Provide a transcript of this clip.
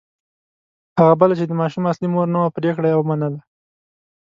هغه بله چې د ماشوم اصلي مور نه وه پرېکړه یې ومنله.